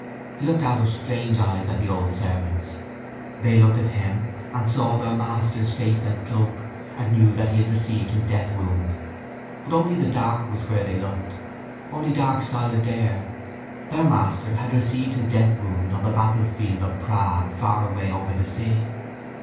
He looked out of strange eyes at the old servants. They looked at him and saw their master's face and cloak and knew that he had received his deathwound. But only the dark was where they looked: only dark silent air. Their master had received his deathwound on the battlefield of Prague far away over the sea.